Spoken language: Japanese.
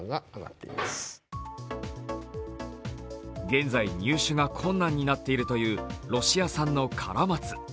現在、入手が困難になっているというロシア産のカラマツ。